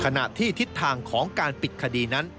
ขณะที่ทิศทางของการปิดคดีนั้น